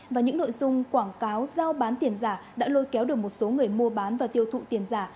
và những nội dung quảng cáo giao bán tiền giả đã lôi kéo được một số người mua bán và tiêu thụ tiền giả